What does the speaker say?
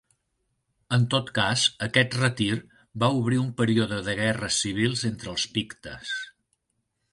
En tot cas, aquest retir va obrir un període de guerres civils entre els pictes.